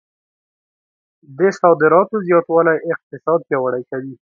د صادراتو زیاتوالی اقتصاد پیاوړی کوي.